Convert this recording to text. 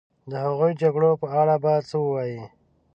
د هغو جګړو په اړه به څه ووایې.